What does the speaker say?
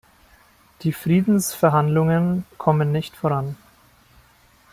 Die Friedensverhandlungen kommen nicht voran.